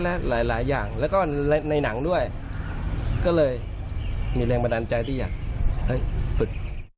และหลายอย่างแล้วก็ในหนังด้วยก็เลยมีแรงบันดาลใจที่อยากฝึก